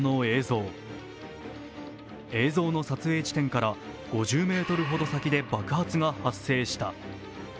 映像の撮影地点から５０ｍほど先で爆発が発生した。